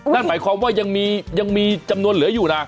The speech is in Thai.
นั่นหมายความว่ายังมีจำนวนเหลืออยู่นะ